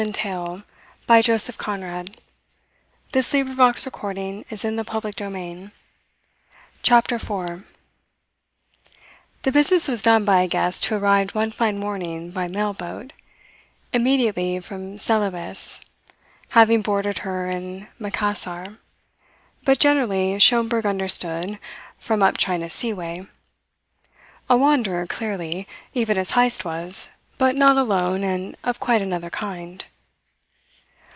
In this state of moral weakness Schomberg allowed himself to be corrupted. CHAPTER FOUR The business was done by a guest who arrived one fine morning by mail boat immediately from Celebes, having boarded her in Macassar, but generally, Schomberg understood, from up China Sea way; a wanderer clearly, even as Heyst was, but not alone and of quite another kind.